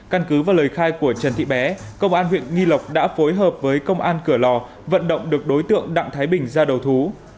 căn cứ và lời khai của trần thị bé công an huyện nghi lộc đã phối hợp với công an cửa lò vận động được đối tượng đặng thái bình ra đầu thú